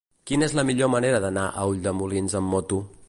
Quina és la millor manera d'anar a Ulldemolins amb moto?